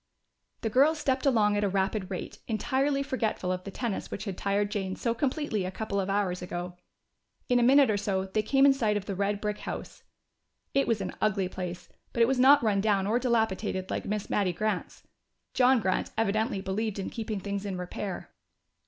The girls stepped along at a rapid rate, entirely forgetful of the tennis which had tired Jane so completely a couple of hours ago. In a minute or so they came in sight of the red brick house. It was an ugly place, but it was not run down or dilapidated like Miss Mattie Grant's. John Grant evidently believed in keeping things in repair.